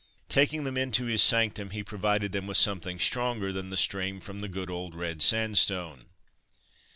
Taking them into his sanctum, he provided them with something stronger than the stream from the good old red sandstone.